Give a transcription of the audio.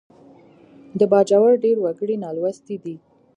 د باجوړ ډېر وګړي نالوستي دي